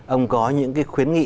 ông có những cái khuyến nghị